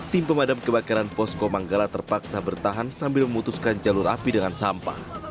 tim pemadam kebakaran posko manggala terpaksa bertahan sambil memutuskan jalur api dengan sampah